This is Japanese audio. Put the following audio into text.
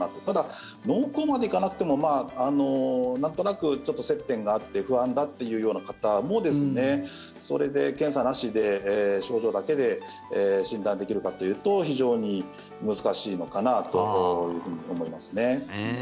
ただ、濃厚までいかなくてもなんとなく接点があって不安だというような方もそれで検査なしで症状だけで診断できるかというと非常に難しいのかなと思います。